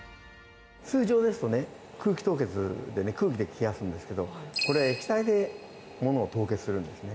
通常ですとね、空気凍結で、空気で冷やすんですけど、これは液体で物を凍結するんですね。